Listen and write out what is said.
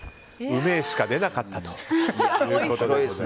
うめえしか出なかったということです。